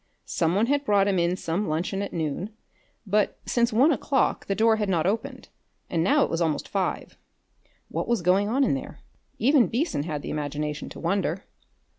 Some one had brought him in some luncheon at noon, but since one o'clock the door had not opened, and now it was almost five. What was going on in there? Even Beason had the imagination to wonder.